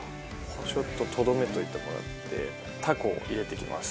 ちょっととどめておいてもらってタコを入れていきます。